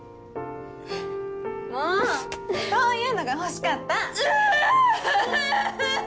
もうそういうのが欲しかったうわーああー！